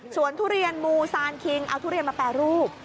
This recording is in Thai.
ส่วนทุเรียนมูซานคิงเอาทุเรียนมาแปรรูป